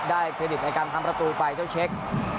เครดิตในการทำประตูไปเจ้าเช็ค